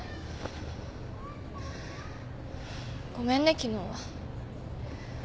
ごめんね昨日は。